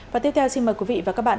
và tiếp theo xin mời quý vị và các bạn